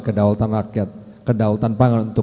kedaulatan pangan untuk